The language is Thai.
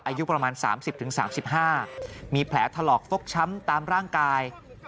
อายุประมาณ๓๐๓๕มีแผลถลอกฟกช้ำตามร่างกาย